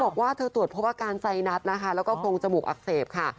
บอกว่าเธอตรวจพบอาการไซนัสนะคะแล้วก็โครงจมูกอักเสบค่ะ